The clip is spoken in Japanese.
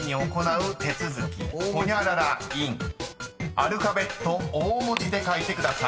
［アルファベット大文字で書いてください］